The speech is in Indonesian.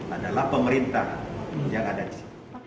adalah pemerintah yang ada di sini